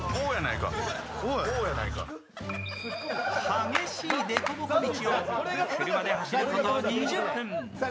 激しいでこぼこ道を車で走ること２０分。